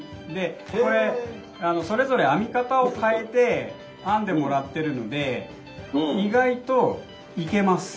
これそれぞれ編み方を変えて編んでもらってるので意外といけます。